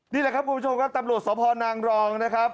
นี่แหละครับคุณผู้ชมครับตำรวจสพนางรองนะครับ